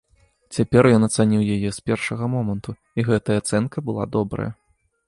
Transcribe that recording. Цяпер ён ацаніў яе з першага моманту, і гэтая ацэнка была добрая.